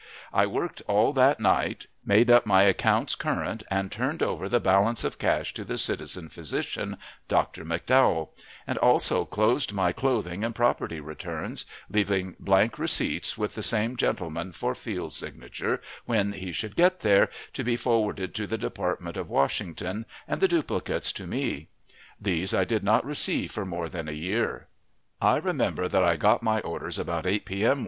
I worked all that night, made up my accounts current, and turned over the balance of cash to the citizen physician, Dr. McDowell; and also closed my clothing and property returns, leaving blank receipts with the same gentleman for Field's signature, when he should get there, to be forwarded to the Department at Washington, and the duplicates to me. These I did not receive for more than a year. I remember that I got my orders about 8 p. m.